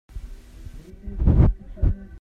Ni a linh tuk lioah cun a leng ah kal ding a si lo.